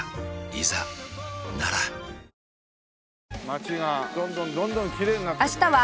町がどんどんどんどんきれいになっていくね。